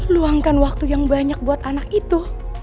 luangkan waktu yang banyak buat anak itu